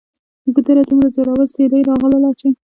ګودره! دومره زوروره سیلۍ راغلله چې